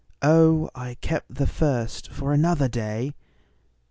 Oh, I kept the first for another day!